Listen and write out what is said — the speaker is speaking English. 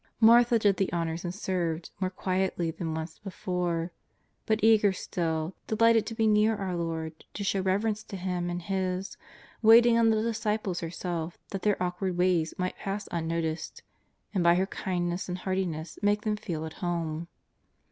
Martha did the honours and served, more quietly than once before, but eager still, delighted to be near our Lord, to show reverence to Him and His, waiting on the disciples herself that their awkward ways might pass unnoticed, and by her kindness and heartiness making them feel at home.